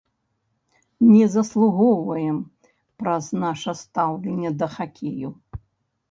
Не заслугоўваем праз наша стаўленне да хакею.